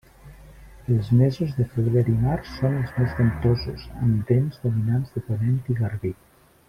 Els mesos de febrer i març són els més ventosos, amb vents dominants de ponent i garbí.